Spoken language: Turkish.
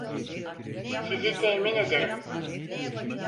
Sizi temin ederim.